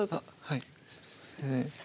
はい。